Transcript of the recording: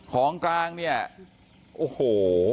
ของกลางเนี่ยโอ้โห